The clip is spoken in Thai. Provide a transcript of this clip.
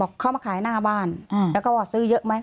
เข้ามาขายหน้าบ้านแล้วก็ซื้อเยอะไหม